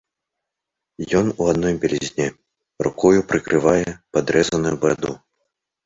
Ён у адной бялізне, рукою прыкрывае падрэзаную бараду.